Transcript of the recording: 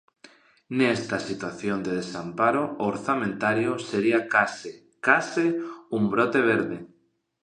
Nesta situación de desamparo orzamentario sería case, case, un "brote verde".